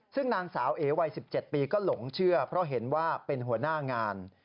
ซึ่งนางสาวเอวัย๑๗ปีก็หลงเชื่อเพราะเห็นว่าเป็นหัวหน้างาน